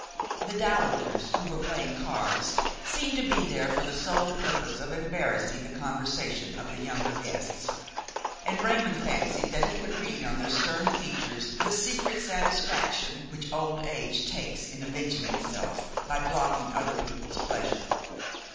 The dowagers who were playing cards seemed to be there for the sole purpose of embarrassing the conversation of the younger guests, and Raymon fancied that he could read on their stern features the secret satisfaction which old age takes in avenging itself by blocking other people's pleasure.